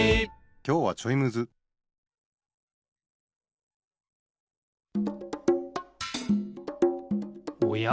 きょうはちょいむずおや？